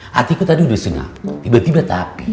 hatiku tadi udah senang tiba tiba tapi